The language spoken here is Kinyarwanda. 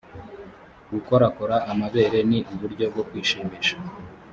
gukorakora amabere ni uburyo bwo kwishimisha.